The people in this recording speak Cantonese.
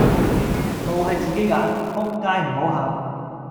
路係自己揀,仆街唔好喊